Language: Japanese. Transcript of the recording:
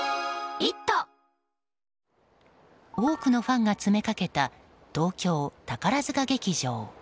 多くのファンが詰めかけた東京宝塚劇場。